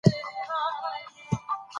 اختلافات باید د بحث له لارې حل شي.